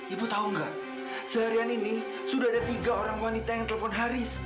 ibu tahu nggak seharian ini sudah ada tiga orang wanita yang telepon haris